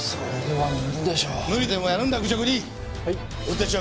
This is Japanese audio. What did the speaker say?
はい！